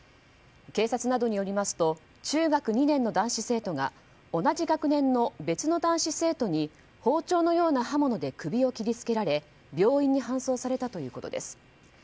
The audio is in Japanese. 警察などによりますと中学２年の男子生徒が同じ学年の別の男子生徒に包丁のような刃物で首を切り付けられ病院に搬送されたということです。